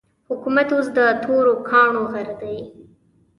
حکومت اوس د تورو کاڼو غر دی.